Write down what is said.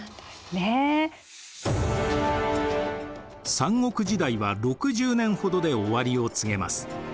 三国時代は６０年ほどで終わりを告げます。